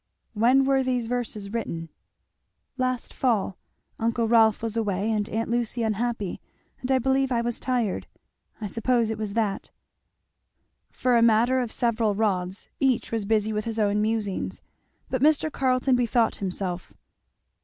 "When were these verses written?" "Last fall; uncle Rolf was away, and aunt Lucy unhappy, and I believe I was tired I suppose it was that." For a matter of several rods each was busy with his own musings. But Mr. Carleton bethought himself.